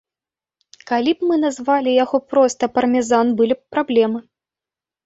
Калі б мы назвалі яго проста пармезан, былі б праблемы.